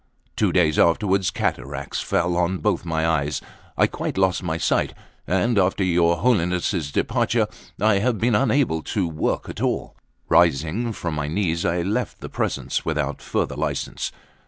Two days afterwards, cataracts fell on both my eyes; I quite lost my sight, and after your holiness' departure I have been unable to work at all." Rising from my knees, I left the presence without further license.